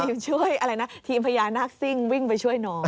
ช่วยอะไรนะทีมพญานาคซิ่งวิ่งไปช่วยน้อง